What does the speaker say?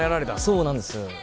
そうなんです